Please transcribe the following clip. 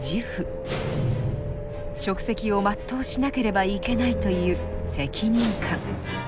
職責を全うしなければいけないという責任感。